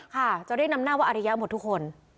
ค่ะจะเรียกนำหน้าว่าอริยะหมดทุกคน